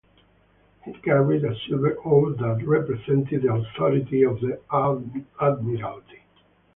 He carried a silver oar that represented the authority of the Admiralty.